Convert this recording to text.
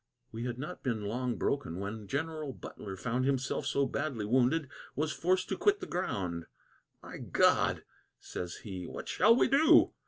We had not been long broken when General Butler found Himself so badly wounded, was forced to quit the ground; "My God!" says he, "what shall we do?